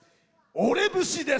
「俺節」です。